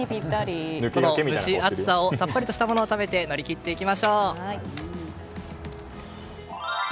この蒸し暑さをさっぱりとしたものを食べて乗り切っていきましょう。